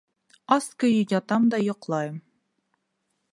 Ас көйө ятам да йоҡлайым!